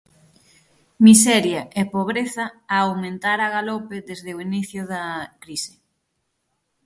Miseria e pobreza a aumentar a galope desde o inicio da crise.